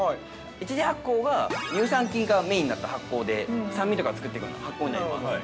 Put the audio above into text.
一次発酵が乳酸菌がメインになった発酵で、酸味とかを作っていくような発酵になります。